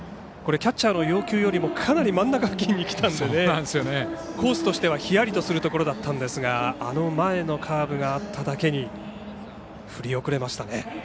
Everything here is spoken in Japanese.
キャッチャーの要求よりかなり真ん中付近に来たのでコースとしてはひやりとするところでしたがあの前のカーブがあっただけに振り遅れましたね。